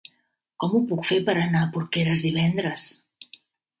Com ho puc fer per anar a Porqueres divendres?